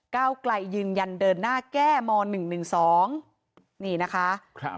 ก้าวไกลยืนยันเดินหน้าแก้มา๑๑๒